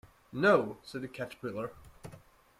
‘No,’ said the Caterpillar.